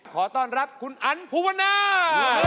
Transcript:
ขอต้อนรับคุณอันภูวนา